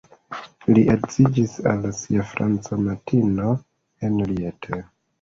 Li edziĝis al sia franca amatino Henriette.